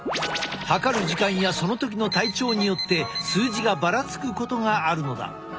測る時間やその時の体調によって数字がばらつくことがあるのだ。